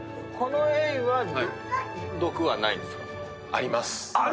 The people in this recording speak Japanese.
あります。